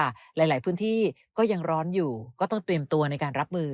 หลายพื้นที่ก็ยังร้อนอยู่ก็ต้องเตรียมตัวในการรับมือ